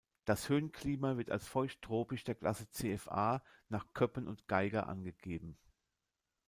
Das Höhenklima wird als feucht-tropisch der Klasse Cfa nach Köppen und Geiger angegeben.